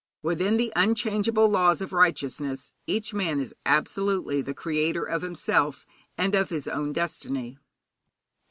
Within the unchangeable laws of righteousness each man is absolutely the creator of himself and of his own destiny.